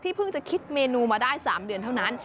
เพิ่งจะคิดเมนูมาได้๓เดือนเท่านั้น